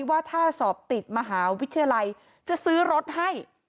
ว่าถ้าสอบติดมหาวิทยาลัยจะซื้อรถให้